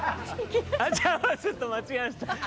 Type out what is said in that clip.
ちょっと間違えました。